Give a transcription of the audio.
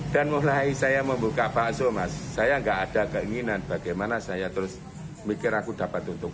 dan mulai saya membuka bakso saya tidak ada keinginan bagaimana saya terus mikir aku dapat untuk